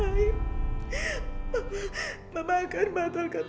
ah lelaki pengen ngorbanin upward